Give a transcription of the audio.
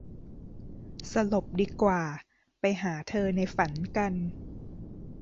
สลบดีกว่า ไปหาเธอในฝันกัน